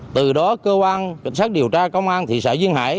từ đó cơ quan cảnh sát điều tra công an thị xã duyên hải